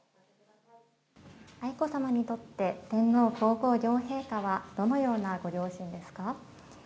愛子さまにとって、天皇皇后両陛下は、どのようなご両親ですか？